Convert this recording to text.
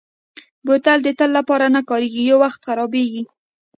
بوتل د تل لپاره نه کارېږي، یو وخت خرابېږي.